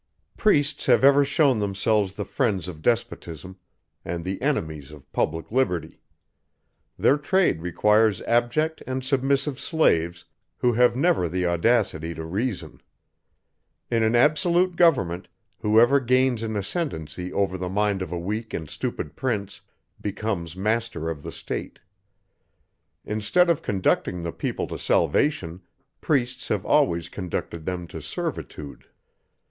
Priests have ever shewn themselves the friends of despotism, and the enemies of public liberty: their trade requires abject and submissive slaves, who have never the audacity to reason. In an absolute government, who ever gains an ascendancy over the mind of a weak and stupid prince, becomes master of the state. Instead of conducting the people to salvation, priests have always conducted them to servitude.